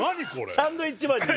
サンドウィッチマンに。